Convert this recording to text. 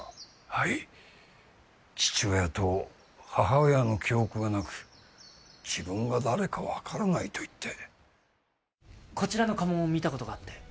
はい父親と母親の記憶がなく自分が誰か分からないと言ってこちらの家紋を見たことがあって